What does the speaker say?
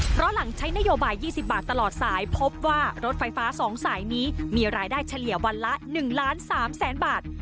เพราะหลังใช้นโยบาย๒๐บาทตลอดสายพบว่ารถไฟฟ้า๒สายนี้มีรายได้เฉลี่ยวันละ๑ล้าน๓แสนบาท